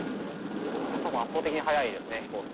やっぱもう圧倒的に早いですね飛行機。